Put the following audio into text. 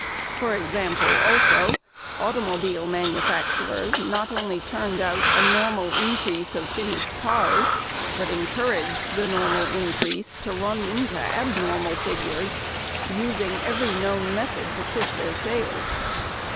For example, also, automobile manufacturers not only turned out a normal increase of finished cars, but encouraged the normal increase to run into abnormal figures, using every known method to push their sales.